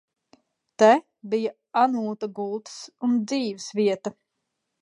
Te bija Anūta gulta un dzīves vieta.